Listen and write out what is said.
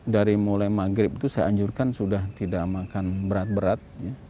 dari mulai maghrib itu saya anjurkan sudah tidak makan berat berat